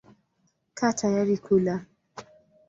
Kaa tayari kula.